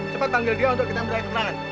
cepat panggil dia untuk kita ambil air pertenangan